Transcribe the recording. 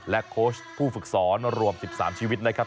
โค้ชผู้ฝึกสอนรวม๑๓ชีวิตนะครับ